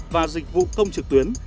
và dịch vụ công trực tuyến